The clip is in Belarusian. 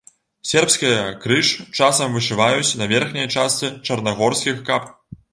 Сербская крыж часам вышываюць на верхняй частцы чарнагорскіх кап.